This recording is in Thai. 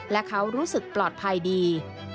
และเขารู้สึกปลอดภัยดี